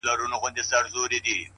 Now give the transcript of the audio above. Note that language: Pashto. خدایه هغه مه اخلې زما تر جنازې پوري ـ